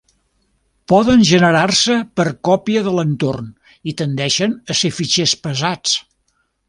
Poden generar-se per còpia de l’entorn i tendeixen a ser fitxers pesats.